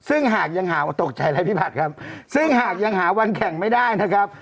อุ้ยซึ่งหากยังหาวันแข่งไม่ได้นะครับ